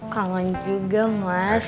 kangen juga mas